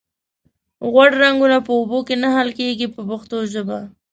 غوړ رنګونه په اوبو کې نه حل کیږي په پښتو ژبه.